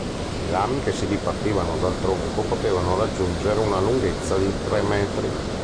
I rami che si dipartivano dal tronco potevano raggiungere una lunghezza di tre metri.